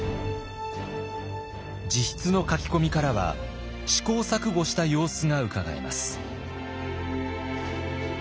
自筆の書き込みからは試行錯誤した様子がうかがえます。